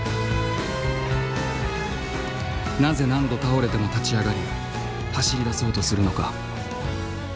なぜ何度倒れても立ち上がり走りだそうとするのか。